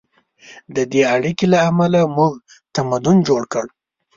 د دې اړیکې له امله موږ تمدن جوړ کړ.